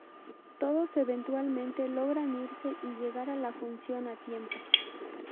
Todos eventualmente logran irse y llegar a la función a tiempo.